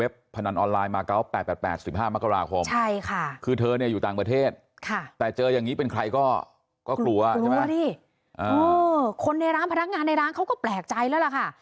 คนในร้านพนักงานในร้านเขาก็แปลกใจแล้วล่ะค่ะ